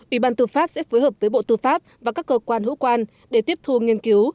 ủy ban tư pháp sẽ phối hợp với bộ tư pháp và các cơ quan hữu quan để tiếp thu nghiên cứu